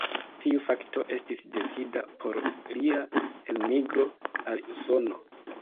Tiu fakto estis decida por lia elmigro al Usono.